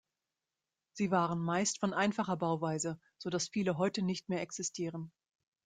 Sie waren meist von einfacher Bauweise, so dass viele heute nicht mehr existieren.